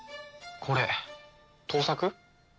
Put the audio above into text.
これ盗作？